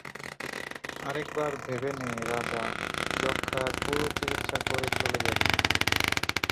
আরেকবার ভেবে নে রাজা, যক্ষার পুরো চিকিৎসা করে চলে যাবি।